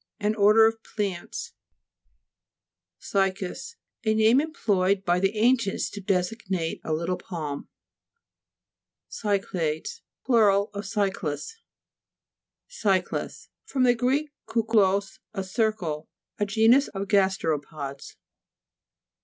An order of plants. CY'CAS A name employed by the ancients to designate a little palm. (Fig. 306, p. 196.) CY'CLABES Plur. of cyclas. CY'CLAS fr. gr. kuklos, a circle. A genus of gasteropods.